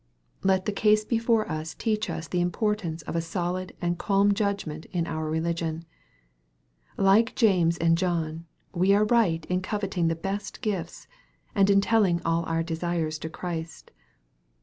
Let the case before us teach us the importance of a solid and calm judgment in our religion. Like James and John, we are right in coveting the best gifts, and in telling all our desires to Christ.